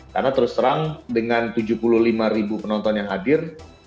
karena terus terang dengan tujuh puluh lima penonton yang hadir